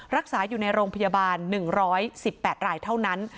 รักษาอยู่ในโรงพยาบาล๑๑๘รายเท่านั้น